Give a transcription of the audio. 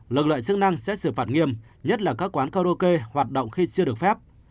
lực lượng chức năng sẽ xử phạt nghiêm nhất là các quán karaoke hoạt động khi chưa được phép